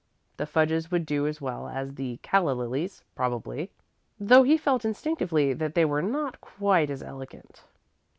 The fudges would do as well as the calla lilies, probably, though he felt instinctively that they were not quite as elegant.